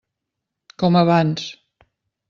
Com abans.